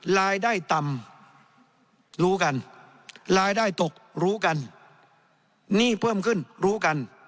รายได้ต่ำรู้กันรายได้ตกรู้กันหนี้เพิ่มขึ้นรู้กัน